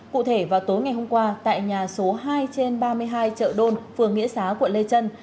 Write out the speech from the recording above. cụ thể vào tối ngày hôm qua tại nhà số hai trên ba mươi hai chợ đôn phường nghĩa xá quận lê trân